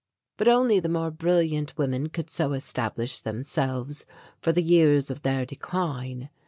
But only the more brilliant women could so establish themselves for the years of their decline.